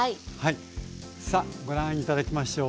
さあご覧頂きましょう。